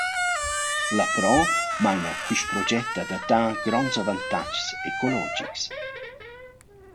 Lapro maina quist proget adattà gronds avantags ecologics.